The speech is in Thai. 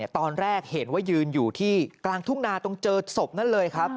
ตอนแรกเห็นว่ายืนอยู่ที่กลางทุ่งนาตรงเจอศพนั่นเลยครับ